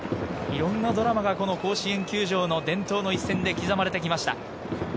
いろんなドラマがこの甲子園球場の伝統の一戦で刻まれてきました。